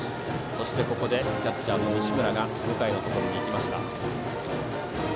そして、ここでキャッチャーの西村が向井のところに行きました。